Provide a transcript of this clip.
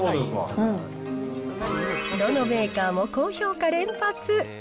どのメーカーも高評価連発。